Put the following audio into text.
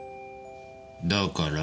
だから？